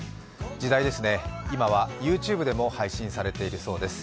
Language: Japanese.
時代ですね、今はＹｏｕＴｕｂｅでも配信されているそうです。